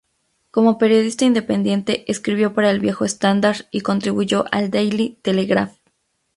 Como periodista independiente escribió para el viejo Standard y contribuyó al Daily Telegraph.